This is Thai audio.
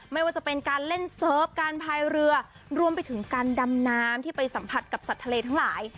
ไม่ว่าจะเป็นการเล่นเซิร์ฟการพายเรือรวมไปถึงการดำน้ำที่ไปสัมผัสกับสัตว์ทะเลทั้งหลาย